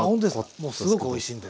もうすごくおいしいんで。